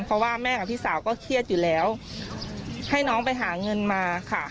เพราะว่าแม่กับพี่สาวก็เครียดอยู่แล้วให้น้องไปหาเงินมาค่ะ